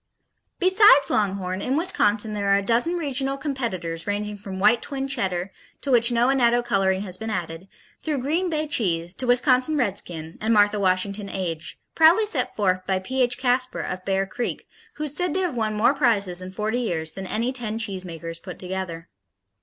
Besides Longhorn, in Wisconsin there are a dozen regional competitors ranging from White Twin Cheddar, to which no annatto coloring has been added, through Green Bay cheese to Wisconsin Redskin and Martha Washington Aged, proudly set forth by P.H. Kasper of Bear Creek, who is said to have "won more prizes in forty years than any ten cheesemakers put together."